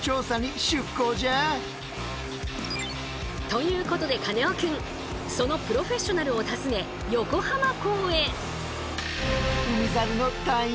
ということでカネオくんそのプロフェッショナルを訪ね横浜港へ。